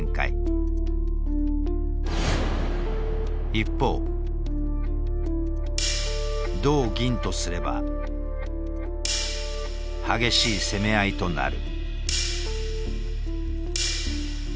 一方同銀とすれば激しい攻め合いとなる。